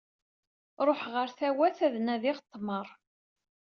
Ruḥeɣ ɣer Tawat, ad nadiɣ ṭmer.